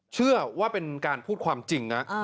เชื่อว่าเป็นการพูดความจริงนะ